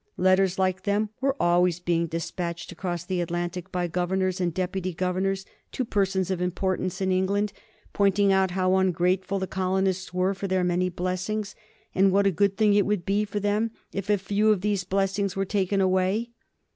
Letters like them were always being despatched across the Atlantic by governors and deputy governors to persons of importance in England, pointing out how ungrateful the colonists were for their many blessings, and what a good thing it would be for them if a few of these blessings were taken away.